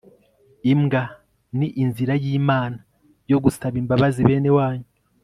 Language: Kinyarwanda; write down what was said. imbwa ni inzira y'imana yo gusaba imbabazi bene wanyu